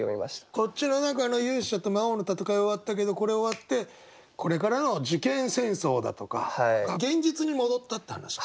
こっちの中の勇者と魔王の戦いは終わったけどこれ終わってこれからの受験戦争だとか現実に戻ったって話か。